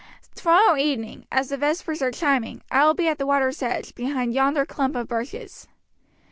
Tomorrow evening, as the vespers are chiming, I will be at the water's edge, behind yonder clump of bushes."